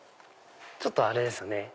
ちょっとあれですよね。